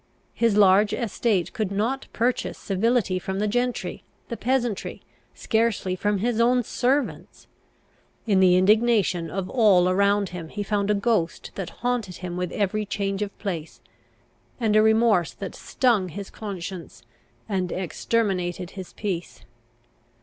His large estate could not purchase civility from the gentry, the peasantry, scarcely from his own servants. In the indignation of all around him he found a ghost that haunted him with every change of place, and a remorse that stung his conscience, and exterminated his peace.